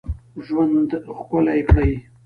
ژوند ښکلی کړی.